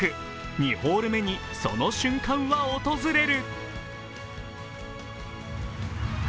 ２ホール目にその瞬間は訪れる。